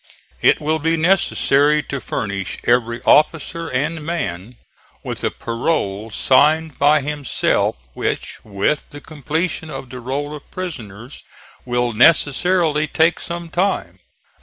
It will be necessary to furnish every officer and man with a parole signed by himself, which, with the completion of the roll of prisoners, will necessarily take some time.